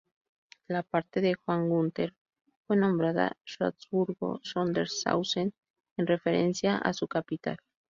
La parte de Juan Gunter I fue nombrada Schwarzburgo-Sondershausen, en referencia a su capital.